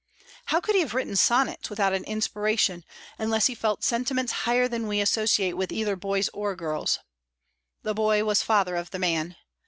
How could he have written sonnets without an inspiration, unless he felt sentiments higher than we associate with either boys or girls? The boy was father of the man.